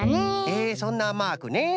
えそんなマークね。